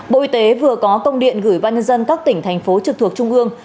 bộ y tế vừa có công điện gửi ban nhân dân các tỉnh thành phố trực thuộc trung ương